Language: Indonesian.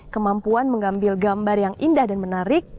kemampuan mengambil gambar yang indah dan menarik